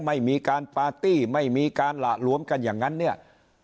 ไม่มีการปาร์ตี้ไม่มีการหละหลวมกันอย่างนั้นเนี่ย